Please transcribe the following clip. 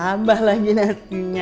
tabah lagi nasinya